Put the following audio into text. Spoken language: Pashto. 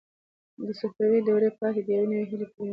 د صفوي دورې پای د یوې نوې هیلې پیل و.